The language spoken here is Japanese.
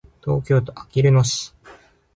東京都あきる野市